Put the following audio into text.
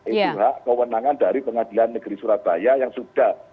itu hak kewenangan dari pengadilan negeri surabaya yang sudah